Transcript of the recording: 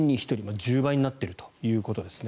１０倍になっているということですね。